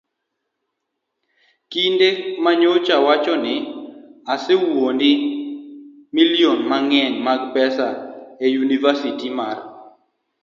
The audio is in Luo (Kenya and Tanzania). Kinde ma nyocha wachore ni osewuondi milion mang'eny mag pesa e yunivasiti mar